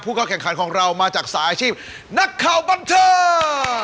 เข้าแข่งขันของเรามาจากสายอาชีพนักข่าวบันเทิง